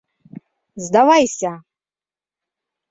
Сдавайся!